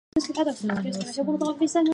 أنحلوني وأسقموا